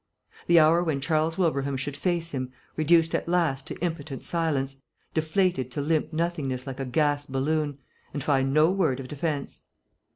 The hour when Charles Wilbraham should face him, reduced at last to impotent silence, deflated to limp nothingness like a gas balloon, and find no word of defence.